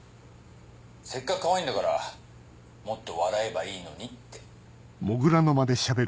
せっかくかわいいんだからもっと笑えばいいのにって。